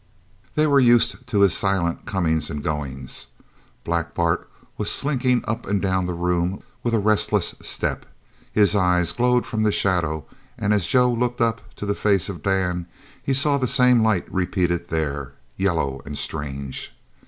They were used to his silent comings and goings. Black Bart was slinking up and down the room with a restless step. His eyes glowed from the shadow, and as Joe looked up to the face of Dan he saw the same light repeated there, yellow and strange.